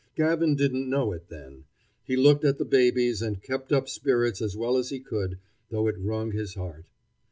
Gavin didn't know it then. He looked at the babies and kept up spirits as well as he could, though it wrung his heart.